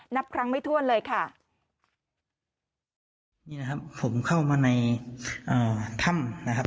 นับครั้งไม่ถ้วนเลยค่ะนี่นะครับผมเข้ามาในอ่าถ้ำนะครับ